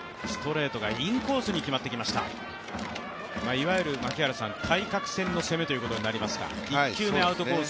いわゆる対角線への攻めということになりますが１球目アウトコース